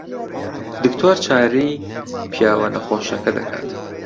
دکتۆر چارەی پیاوە نەخۆشەکە دەکات.